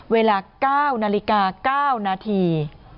เวลา๙นาฬิกา๙นาที